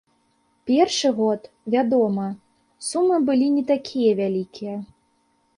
Першы год, вядома, сумы былі не такія вялікія.